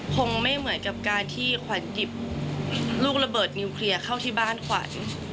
คงไม่เหมือนกับการที่ขวัญหยิบลูกระเบิดนิวเคลียร์เข้าที่บ้านขวัญ